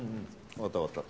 わかったわかった。